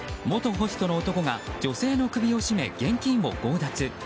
元ホストの男が女性の首を絞め現金を強奪。